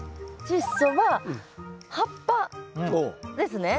チッ素は葉っぱですね。